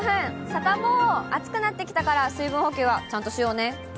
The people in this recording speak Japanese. サタボー、暑くなってきたから、水分補給はちゃんとしようね。